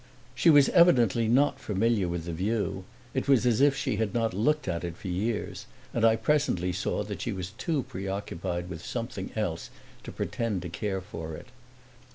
She was evidently not familiar with the view it was as if she had not looked at it for years and I presently saw that she was too preoccupied with something else to pretend to care for it.